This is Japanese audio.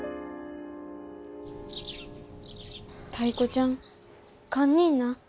タイ子ちゃん堪忍な。